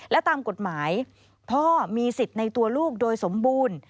และตามกฎหมายพ่อมีสิทธิ์ในตัวลูกโดยสมบูรณ์